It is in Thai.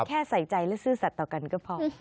ใส่ใจและซื่อสัตว์ต่อกันก็พอ